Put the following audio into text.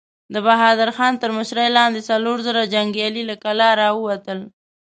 د بهادر خان تر مشرۍ لاندې څلور زره جنګيالي له کلا را ووتل.